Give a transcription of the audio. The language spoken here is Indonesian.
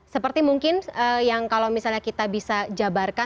seperti mungkin yang kalau misalnya kita bisa jabarkan